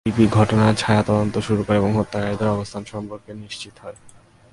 DB ঘটনার ছায়া তদন্ত শুরু করে এবং হত্যাকারীদের অবস্থান সম্পর্কে নিশ্চিত হয়।